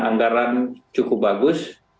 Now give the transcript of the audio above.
anggaran cukup bagus